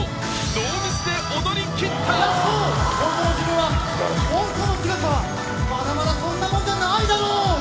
ノーミスで踊り切った本当の自分は本当の姿はまだまだそんなもんじゃないだろ！